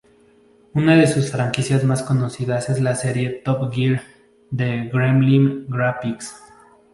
Una de sus franquicias más conocidas es la serie Top Gear de Gremlin Graphics.